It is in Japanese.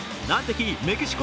難敵メキシコ